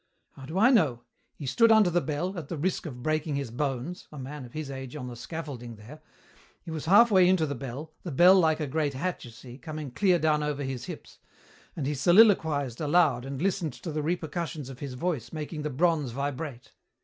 "How do I know? He stood under the bell, at the risk of breaking his bones a man of his age on the scaffolding there! He was halfway into the bell, the bell like a great hat, you see, coming clear down over his hips. And he soliloquized aloud and listened to the repercussions of his voice making the bronze vibrate.